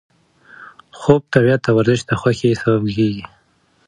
خوب، طبیعت او ورزش د خوښۍ سبب کېږي.